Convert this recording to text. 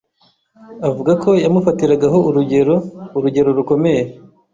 avuga ko yamufatiragaho urugero urugero rukomeye